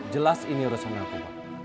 jelas ini urusan aku